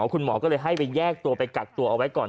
คุณหมอก็เลยให้ไปแยกตัวไปกักตัวเอาไว้ก่อน